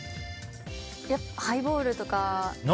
ハイボールとか。